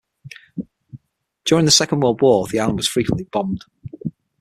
During the Second World War the island was frequently bombed.